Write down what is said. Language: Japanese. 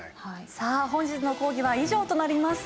さあ本日の講義は以上となります。